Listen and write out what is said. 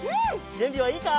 じゅんびはいいか？